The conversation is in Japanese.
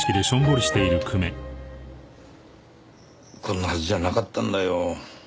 こんなはずじゃなかったんだよ。